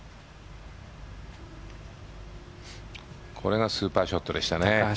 これがスーパーショットでしたね。